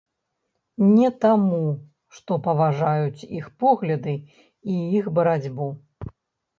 Не таму, што паважаюць іх погляды і іх барацьбу.